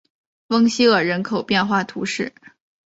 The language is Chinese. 翁西厄人口变化图示